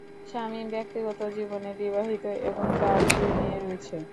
শামীম ব্যক্তিগত জীবনে বিবাহিত এবং তার দুই মেয়ে রয়েছে।